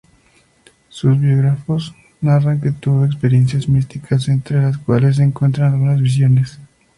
Sus biógrafos narran que tuvo experiencias místicas, entre las cuales se cuentan algunas visiones.